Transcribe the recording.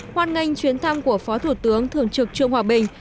hoan nghênh chuyến thăm của phó thủ tướng thường trực trương hòa bình